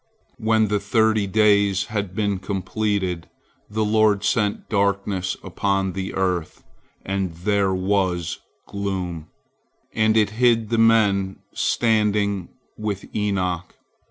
When the thirty days had been completed, the Lord sent darkness upon the earth, and there was gloom, and it hid the men standing with Enoch.